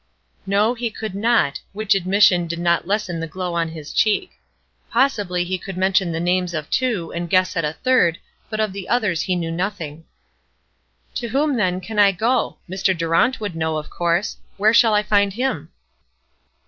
No, he could not which admission did not lessen the glow on his cheek. Possibly he could mention the names of two, and guess at a third, but of the others he knew nothing. "To whom, then, can I go? Mr. Durant would know, of course. Where shall I find him?"